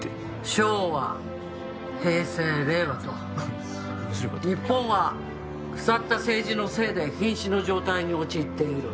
「昭和平成令和と日本は腐った政治のせいで瀕死の状態に陥っている」